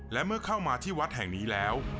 และเมื่อเข้ามาที่วัดแห่งนี้แล้ว